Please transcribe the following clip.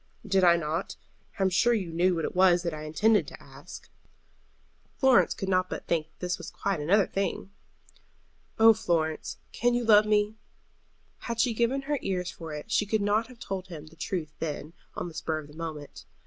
"Did I not? I am sure you knew what it was that I intended to ask." Florence could not but think that this was quite another thing. "Oh, Florence, can you love me?" Had she given her ears for it she could not have told him the truth then, on the spur of the moment.